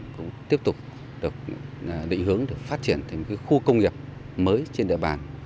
cũng tiếp tục được định hướng được phát triển thành một khu công nghiệp mới trên địa bàn